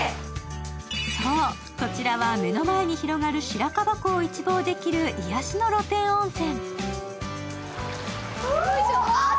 そう、こちらは目の前に広がる白樺湖を一望できる癒やしの露天温泉。